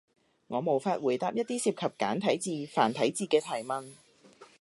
我無法回答一啲涉及簡體字、繁體字嘅提問